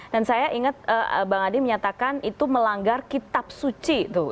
dan saya inget bang adi menyatakan itu melanggar kitab suci tuh